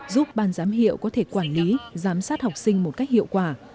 giúp ban giám hiệu có thể quản lý giám sát học sinh một cách hiệu quả